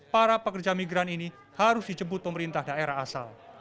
para pekerja migran ini harus dijemput pemerintah daerah asal